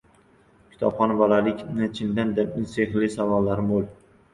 – Kitobxon bolalik chindan-da sehrli, savollari mo‘l.